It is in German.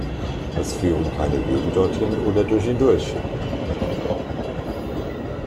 Es führen keine Wege dorthin oder durch ihn durch.